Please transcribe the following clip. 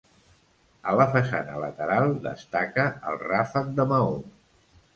A la façana lateral destaca el ràfec de maó.